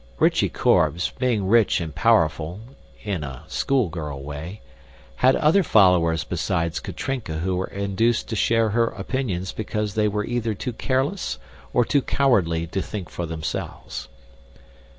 Rychie Korbes, being rich and powerful (in a schoolgirl way), had other followers besides Katrinka who were induced to share her opinions because they were either too careless or too cowardly to think for themselves.